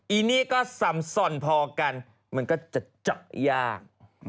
อีนี่ก็สำส่อนพอกันมันก็จะเจาะยาก